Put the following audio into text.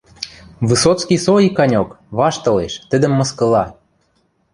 Высоцкий со иканьок, ваштылеш, тӹдӹм мыскыла.